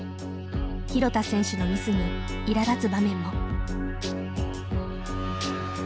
廣田選手のミスにいらだつ場面も。